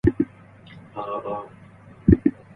In most cases a warning is listed on the product label.